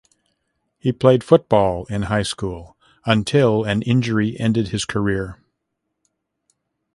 He played football in high school until an injury ended his career.